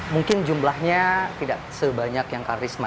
mungkin jumlahnya tidak sebanyak yang karisma